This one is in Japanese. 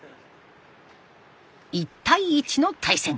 １対１の対戦。